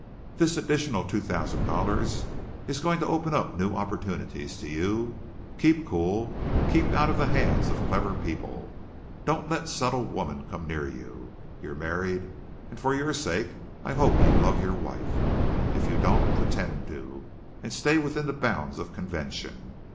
This additional two thousand dollars is going to open up new opportunities to you. Keep cool. Keep out of the hands of clever people. Don't let subtle women come near. You're married, and for your sake I hope you love your wife. If you don't, pretend to, and stay within the bounds of convention.